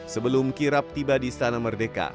sebelum kirap tiba di istana merdeka